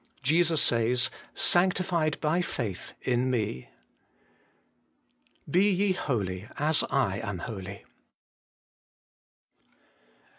Jesus says, ' Sanctified by faith in me.' BE YE HOLY, AS I AM HOLY.